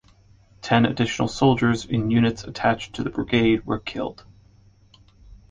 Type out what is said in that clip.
Ten additional soldiers in units attached to the brigade were killed.